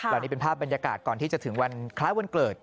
และนี่เป็นภาพบรรยากาศก่อนที่จะถึงวันคล้ายวันเกิด